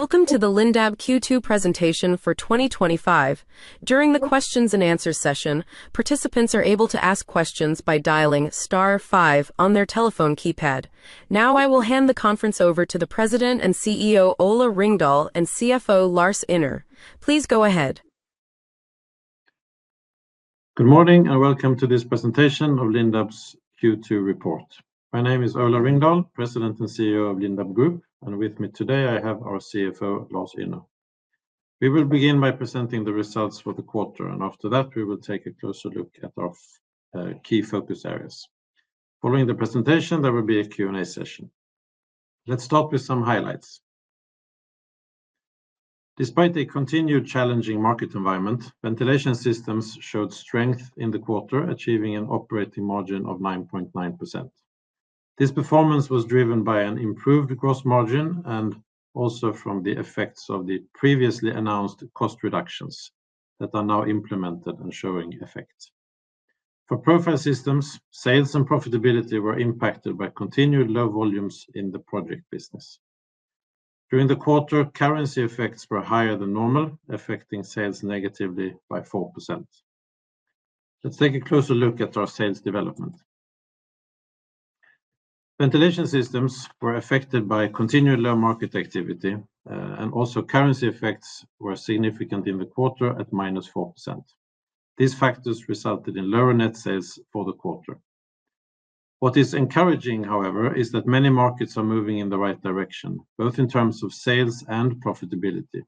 Welcome to the Lindab Q2 presentation for 2025. During the questions and answers session, participants are able to ask questions by dialing star five on their telephone keypad. Now, I will hand the conference over to the President and CEO Ola Ringdahl and CFO Lars Ynner. Please go ahead. Good morning and welcome to this presentation of Lindab's Q2 report. My name is Ola Ringdahl, President and CEO of Lindab Group, and with me today I have our CFO Lars Ynner. We will begin by presenting the results for the quarter, and after that, we will take a closer look at our key focus areas. Following the presentation, there will be a Q&A session. Let's start with some highlights. Despite a continued challenging market environment, Ventilation Systems showed strength in the quarter, achieving an operating margin of 9.9%. This performance was driven by an improved gross margin and also from the effects of the previously announced cost reductions that are now implemented and showing effect. For Profile Systems, sales and profitability were impacted by continued low volumes in the project business. During the quarter, currency effects were higher than normal, affecting sales negatively by 4%. Let's take a closer look at our sales development. Ventilation Systems were affected by continued low market activity, and also currency effects were significant in the quarter at -4%. These factors resulted in lower net sales for the quarter. What is encouraging, however, is that many markets are moving in the right direction, both in terms of sales and profitability.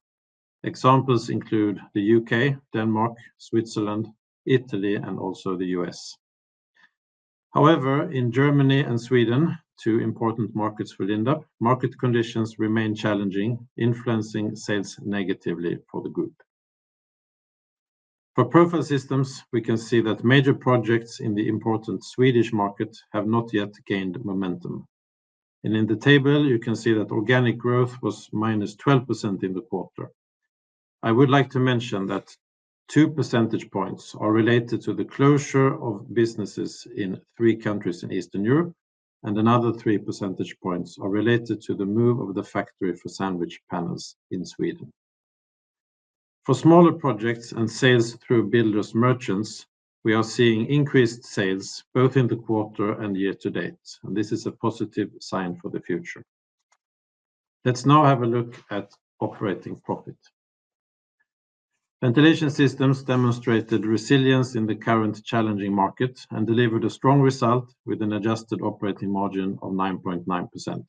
Examples include the U.K., Denmark, Switzerland, Italy, and also the U.S.. However, in Germany and Sweden, two important markets for Lindab, market conditions remain challenging, influencing sales negatively for the group. For Profile Systems, we can see that major projects in the important Swedish market have not yet gained momentum. In the table, you can see that organic growth was -12% in the quarter. I would like to mention that two percentage points are related to the closure of businesses in three countries in Eastern Europe, and another three percentage points are related to the move of the factory for sandwich panels in Sweden. For smaller projects and sales through Builders Merchants, we are seeing increased sales both in the quarter and year to date, and this is a positive sign for the future. Let's now have a look at operating profit. Ventilation Systems demonstrated resilience in the current challenging market and delivered a strong result with an adjusted operating margin of 9.9%.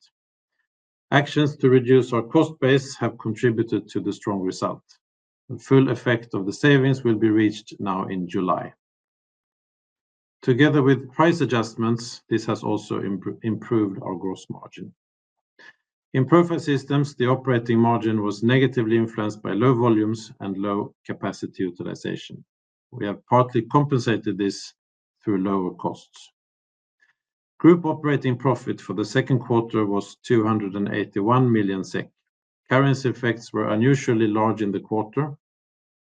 Actions to reduce our cost base have contributed to the strong result. The full effect of the savings will be reached now in July. Together with price adjustments, this has also improved our gross margin. In Profile Systems, the operating margin was negatively influenced by low volumes and low capacity utilization. We have partly compensated this through lower costs. Group operating profit for the second quarter was 281 million SEK. Currency effects were unusually large in the quarter.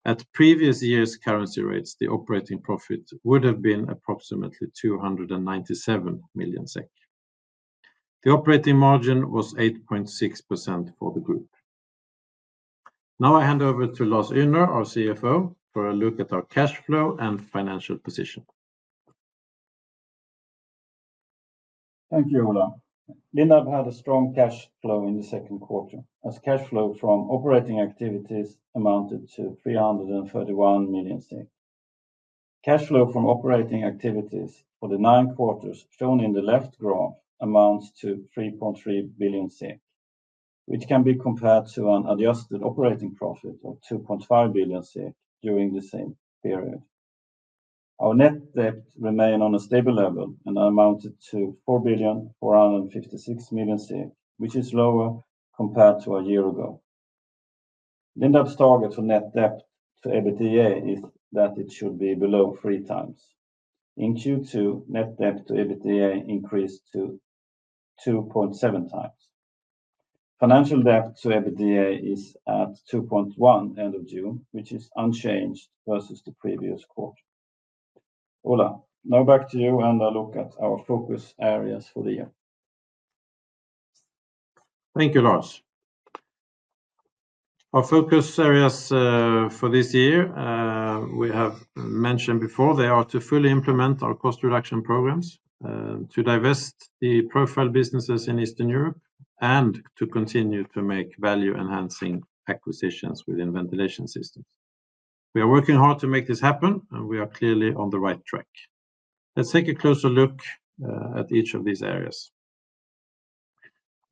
At previous year's currency rates, the operating profit would have been approximately 297 million SEK. The operating margin was 8.6% for the group. Now I hand over to Lars Ynner, our CFO, for a look at our cash flow and financial position. Thank you, Ola. Lindab had a strong cash flow in the second quarter, as cash flow from operating activities amounted to SEK 331 million. Cash flow from operating activities for the nine quarters shown in the left graph amounts to 3.3 billion, which can be compared to an adjusted operating profit of 2.5 billion during the same period. Our net debt remained on a stable level and amounted to 4.456 billion, which is lower compared to a year ago. Lindab's target for net debt to EBITDA is that it should be below three times. In Q2, net debt to EBITDA increased to 2.7 times. Financial debt to EBITDA is at 2.1 at the end of June, which is unchanged versus the previous quarter. Ola, now back to you and a look at our focus areas for the year. Thank you, Lars. Our focus areas for this year, we have mentioned before, they are to fully implement our cost reduction programs, to divest the Profile businesses in Eastern Europe, and to continue to make value-enhancing acquisitions within Ventilation Systems. We are working hard to make this happen, and we are clearly on the right track. Let's take a closer look at each of these areas.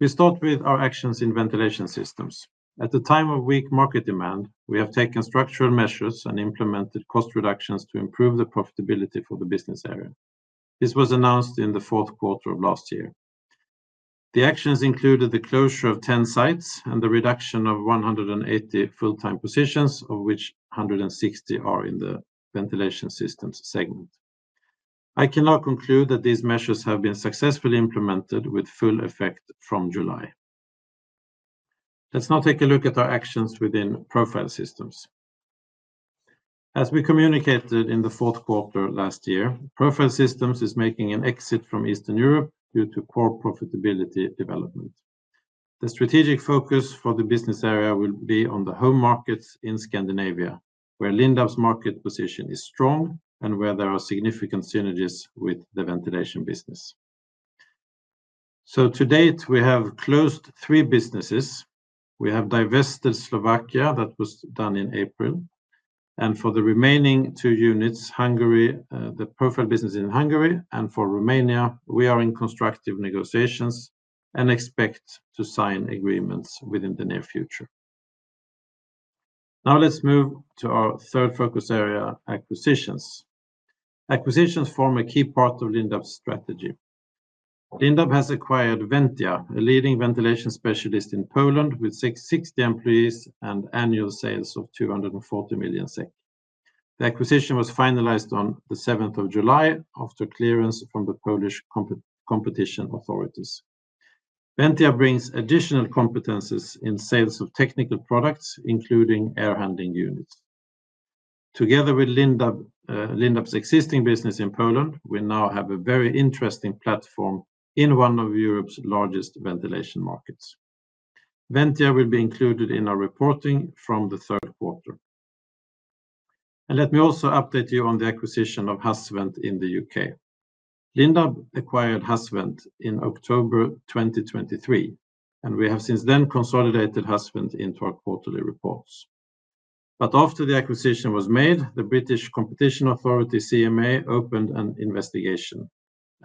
We start with our actions in Ventilation Systems. At the time of weak market demand, we have taken structural measures and implemented cost reductions to improve the profitability for the business area. This was announced in the fourth quarter of last year. The actions included the closure of 10 sites and the reduction of 180 full-time positions, of which 160 are in the Ventilation Systems segment. I can now conclude that these measures have been successfully implemented with full effect from July. Let's now take a look at our actions within Profile Systems. As we communicated in the fourth quarter last year, Profile Systems is making an exit from Eastern Europe due to core profitability development. The strategic focus for the business area will be on the home markets in Scandinavia, where Lindab's market position is strong and where there are significant synergies with the ventilation business. To date, we have closed three businesses. We have divested Slovakia, that was done in April. For the remaining two units, the Profile business in Hungary and for Romania, we are in constructive negotiations and expect to sign agreements within the near future. Now let's move to our third focus area, acquisitions. Acquisitions form a key part of Lindab's strategy. Lindab has acquired Wentia, a leading ventilation specialist in Poland with 660 employees and annual sales of 240 million SEK. The acquisition was finalized on the 7th of July after clearance from the Polish competition authorities. Wentia brings additional competencies in sales of technical products, including air handling units. Together with Lindab's existing business in Poland, we now have a very interesting platform in one of Europe's largest ventilation markets. Wentia will be included in our reporting from the third quarter. Let me also update you on the acquisition of Husvent in the U.K. Lindab acquired Husvent in October 2023, and we have since then consolidated Husvent in third quarterly reports. After the acquisition was made, the Competition and Markets Authority (CMA) opened an investigation.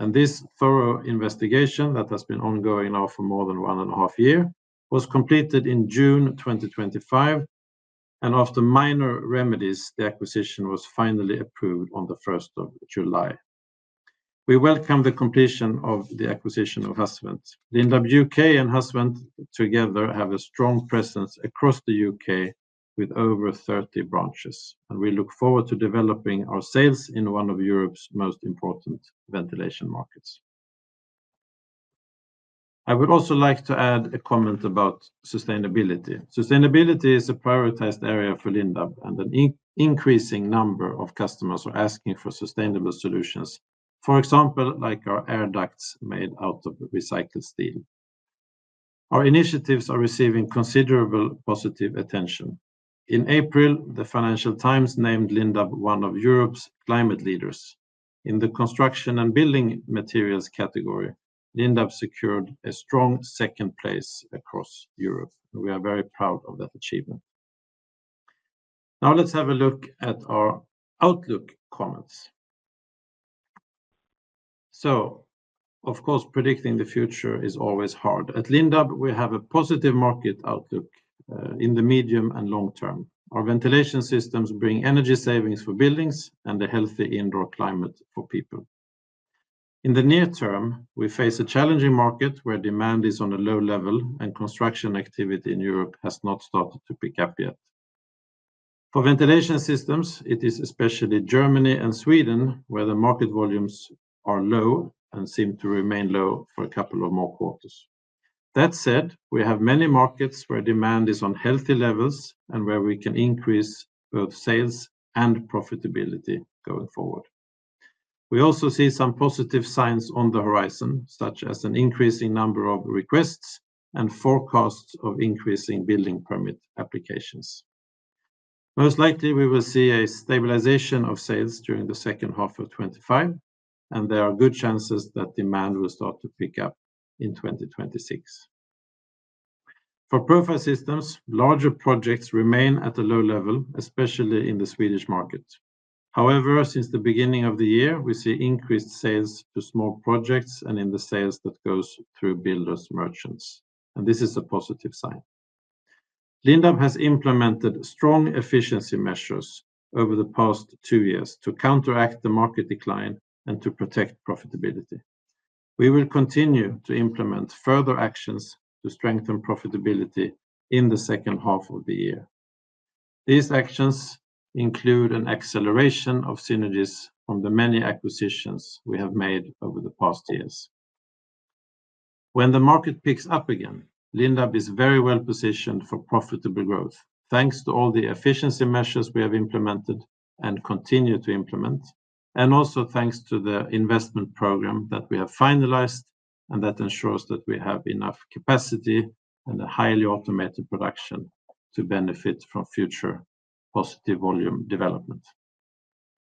This thorough investigation that has been ongoing now for more than one and a half years was completed in June 2025. After minor remedies, the acquisition was finally approved on the 1st of July. We welcome the completion of the acquisition of Husvent. Lindab U.K. and Husvent together have a strong presence across the U.K. with over 30 branches. We look forward to developing our sales in one of Europe's most important ventilation markets. I would also like to add a comment about sustainability. Sustainability is a prioritized area for Lindab, and an increasing number of customers are asking for sustainable solutions, for example, like our air ducts made out of recycled steel. Our initiatives are receiving considerable positive attention. In April, the Financial Times named Lindab one of Europe's climate leaders. In the construction and building materials category, Lindab secured a strong second place across Europe. We are very proud of that achievement. Now let's have a look at our outlook comments. Of course, predicting the future is always hard. At Lindab International AB, we have a positive market outlook in the medium and long term. Our Ventilation Systems bring energy savings for buildings and a healthy indoor climate for people. In the near term, we face a challenging market where demand is on a low level and construction activity in Europe has not started to pick up yet. For Ventilation Systems, it is especially Germany and Sweden where the market volumes are low and seem to remain low for a couple of more quarters. That said, we have many markets where demand is on healthy levels and where we can increase both sales and profitability going forward. We also see some positive signs on the horizon, such as an increasing number of requests and forecasts of increasing building permit applications. Most likely, we will see a stabilization of sales during the second half of 2025, and there are good chances that demand will start to pick up in 2026. For Profile Systems, larger projects remain at a low level, especially in the Swedish market. However, since the beginning of the year, we see increased sales to small projects and in the sales that go through Builders Merchants. This is a positive sign. Lindab International AB has implemented strong efficiency measures over the past two years to counteract the market decline and to protect profitability. We will continue to implement further actions to strengthen profitability in the second half of the year. These actions include an acceleration of synergies from the many acquisitions we have made over the past years. When the market picks up again, Lindab International AB is very well positioned for profitable growth, thanks to all the efficiency measures we have implemented and continue to implement, and also thanks to the investment program that we have finalized and that ensures that we have enough capacity and a highly automated production to benefit from future positive volume development.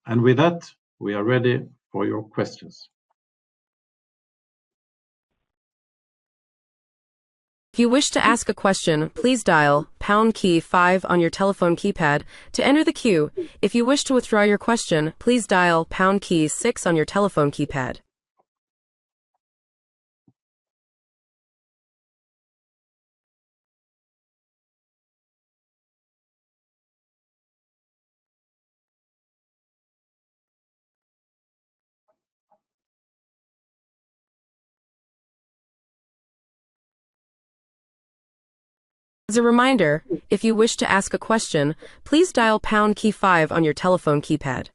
With that, we are ready for your questions. If you wish to ask a question, please dial pound key five on your telephone keypad to enter the queue. If you wish to withdraw your question, please dial pound key six on your telephone keypad. As a reminder, if you wish to ask a question, please dial pound key five on your telephone keypad.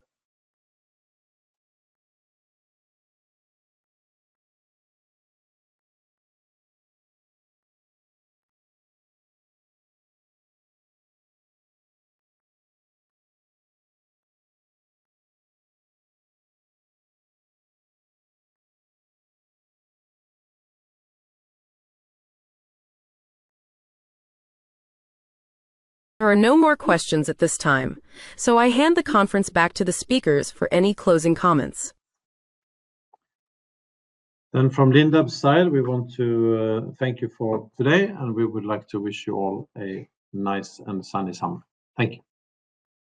There are no more questions at this time, so I hand the conference back to the speakers for any closing comments. From Lindab's side, we want to thank you for today, and we would like to wish you all a nice and sunny summer. Thank you.